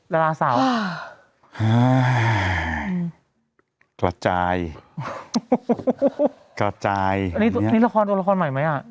กลัวใจ